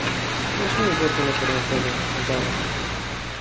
Начни уборку на первом этаже, в зале.